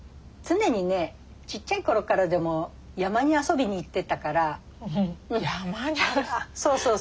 常にねちっちゃい頃からでも山に遊びに行ってたから。